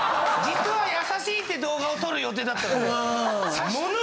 実は優しいって動画を撮る予定だったんですよ。